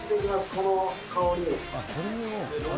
この香り。